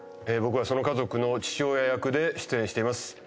僕はその家族の父親役で出演しています。